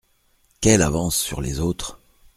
Quelle avance sur les autres !